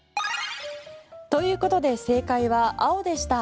ということで正解は青でした。